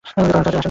তাড়াতাড়ি আসেন ভাই।